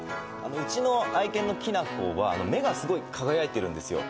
うちの愛犬のきなこは目がすごい輝いてるんですよ。